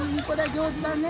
上手だね。